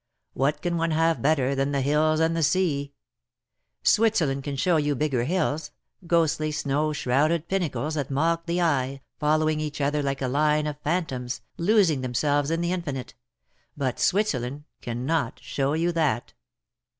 What can one have better than the hills and the sea ? Switzerland can show you bigger hills^ ghostly snow shrouded pinnacles that mock the eye, following each other like a line of phantoms, losing themselves in the infinite; but Switzerland cannot showyouthat."